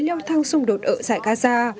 leo thang xung đột ở giải gaza